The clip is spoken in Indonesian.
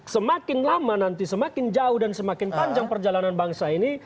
semakin lama nanti semakin jauh dan semakin panjang perjalanan bangsa ini